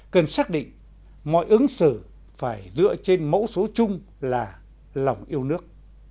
cần xác định mọi ứng xử phải dựa trên mẫu số chung là lòng yêu nước